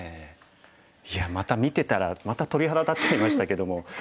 いやまた見てたらまた鳥肌立っちゃいましたけども。